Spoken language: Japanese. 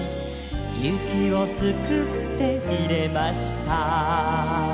「雪をすくって入れました」